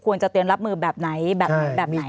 ควรจะเตียนรับมือแบบไหนแบบไหน